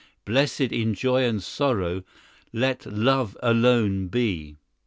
Blessed, in joy and sorrow, Let love alone be."